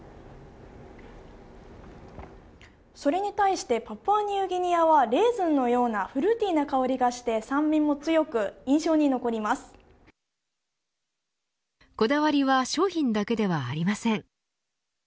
それに対してパプアニューギニアはレーズンのようなフルーティーな香りがして、酸味も強くこだわりは商品だけではありません。